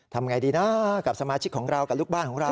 ทำไงดีนะกับสมาชิกของเรากับลูกบ้านของเรา